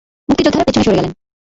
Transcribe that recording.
মুক্তিযোদ্ধারা পেছনে সরে গেলেন।